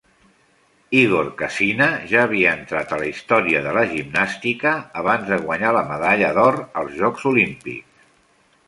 Igor Cassina ja havia entrat a la història de la gimnàstica abans de guanyar la medalla d'or als jocs olímpics.